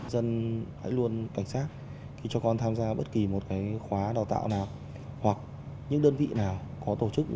dân phải luôn cảnh sát thì cho con tham gia bất kỳ một cái khóa đào tạo nào hoặc những đơn vị nào có tổ chức như thế này